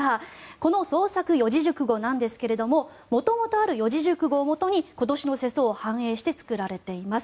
この創作四字熟語なんですが元々ある四字熟語をもとに今年の世相を反映して作られています。